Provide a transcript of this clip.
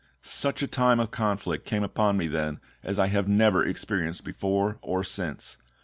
Such a time of conflict came upon me then as I have never experienced before or since.